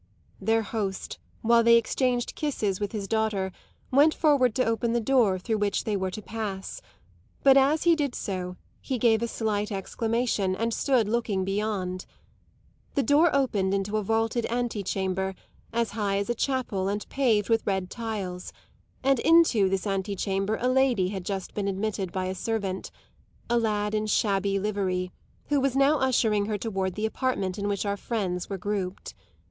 _" Their host, while they exchanged kisses with his daughter, went forward to open the door through which they were to pass; but as he did so he gave a slight exclamation, and stood looking beyond. The door opened into a vaulted ante chamber, as high as a chapel and paved with red tiles; and into this antechamber a lady had just been admitted by a servant, a lad in shabby livery, who was now ushering her toward the apartment in which our friends were grouped.